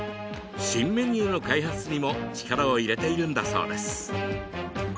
新メニューの開発にも力を入れているんだそうです。